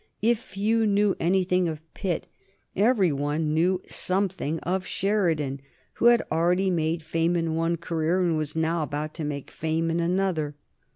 If few knew anything of Pitt every one knew something of Sheridan, who had already made fame in one career and was now about to make fame in another.